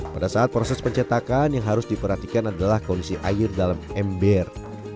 pada saat proses pencetakan yang harus diperhatikan adalah kondisi air dalam ember